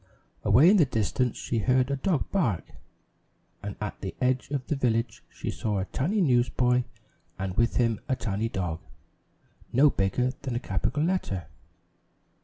Away in the distance she heard a dog bark, and at the edge of the village she saw a tiny newsboy and with him a tiny dog, no bigger than a capital letter.